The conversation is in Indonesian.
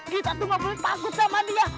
kita tuh gak boleh takut sama dia